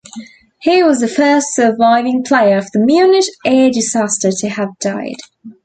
He was the first surviving player of the Munich air disaster to have died.